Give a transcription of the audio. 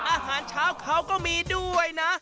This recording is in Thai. อาหารเช้าเขาก็มีด้วยนะ